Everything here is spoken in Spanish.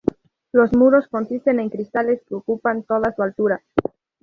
Los muros consisten en cristales que ocupan toda su altura.